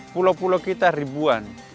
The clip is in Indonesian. pulau pulau kita ribuan